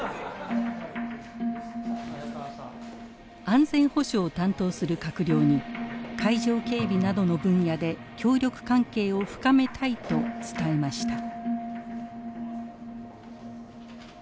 安全保障を担当する閣僚に海上警備などの分野で協力関係を深めたいと伝えました。